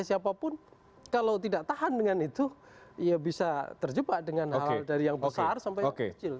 siapapun kalau tidak tahan dengan itu ya bisa terjebak dengan hal dari yang besar sampai yang kecil